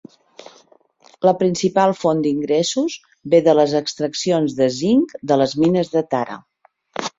La principal font d'ingressos ve de les extraccions de zinc de les mines de Tara.